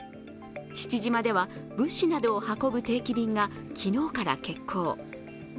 父島では、物資などを運ぶ定期便が昨日から欠航。